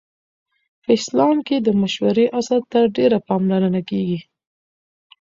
په اسلام کې د مشورې اصل ته ډېره پاملرنه کیږي.